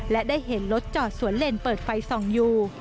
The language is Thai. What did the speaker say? และได้เห็นรถจอดสวนเลนเปิดไฟส่องอยู่